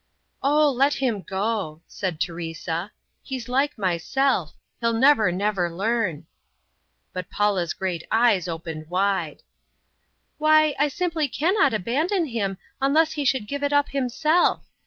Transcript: "Oh, let him go!" said Teresa; "He's like myself. He'll never, never learn." But Paula's great eyes opened wide. "Why! I simply can't abandon him unless he should give it up himself.